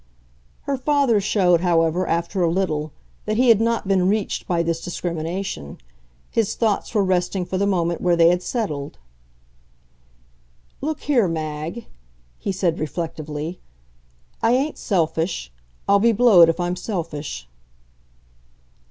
Her father showed, however, after a little, that he had not been reached by this discrimination; his thoughts were resting for the moment where they had settled. "Look here, Mag," he said reflectively "I ain't selfish. I'll be blowed if I'm selfish."